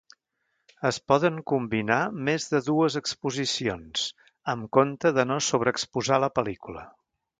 Es poden combinar més de dues exposicions, amb compte de no sobreexposar la pel·lícula.